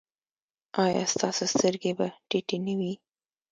ایا ستاسو سترګې به ټیټې نه وي؟